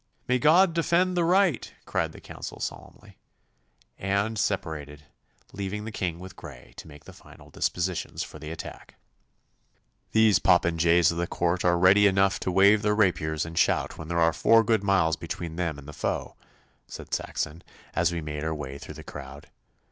'May God defend the right! cried the council solemnly, and separated, leaving the King with Grey to make the final dispositions for the attack. 'These popinjays of the Court are ready enough to wave their rapiers and shout when there are four good miles between them and the foe,' said Saxon, as we made our way through the crowd.